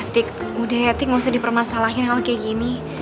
tik udah ya tik gak usah dipermasalahin kalau kayak gini